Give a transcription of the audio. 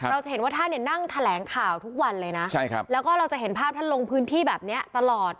เราจะเห็นว่าท่านเนี่ยนั่งแถลงข่าวทุกวันเลยนะใช่ครับแล้วก็เราจะเห็นภาพท่านลงพื้นที่แบบนี้ตลอด